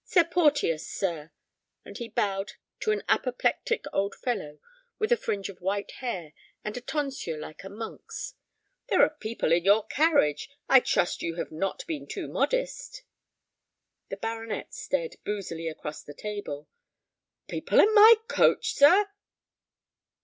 Sir Porteus, sir," and he bowed to an apoplectic old fellow with a fringe of white hair and a tonsure like a monk's, "there are people in your carriage. I trust you have not been too modest." The baronet stared boozily across the table. "People in my coach, sir?"